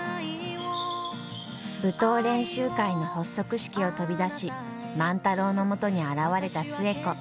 舞踏練習会の発足式を飛び出し万太郎のもとに現れた寿恵子。